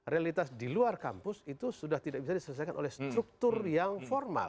realitas di luar kampus itu sudah tidak bisa diselesaikan oleh struktur yang formal